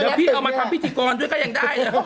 เดี๋ยวพี่เอามาทำพิธีกรด้วยก็ยังได้เลย